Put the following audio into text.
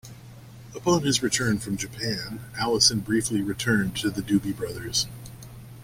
Upon his return from Japan, Allison briefly returned to the Doobie Brothers.